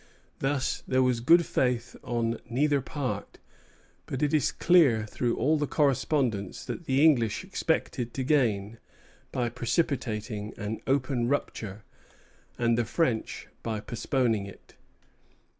Thus there was good faith on neither part; but it is clear through all the correspondence that the English expected to gain by precipitating an open rupture, and the French by postponing it.